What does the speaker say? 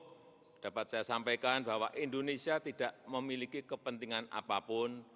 ini dapat saya sampaikan bahwa indonesia tidak memiliki kepentingan apapun